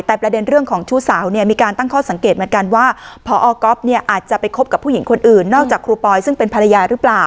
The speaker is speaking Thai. แต่ประเด็นเรื่องของชู้สาวเนี่ยมีการตั้งข้อสังเกตเหมือนกันว่าพอก๊อฟเนี่ยอาจจะไปคบกับผู้หญิงคนอื่นนอกจากครูปอยซึ่งเป็นภรรยาหรือเปล่า